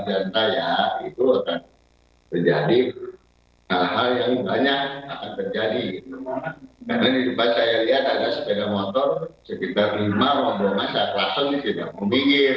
pihak yayasan smk lingga kencana depok jawa barat sabtu malam